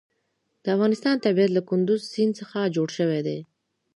د افغانستان طبیعت له کندز سیند څخه جوړ شوی دی.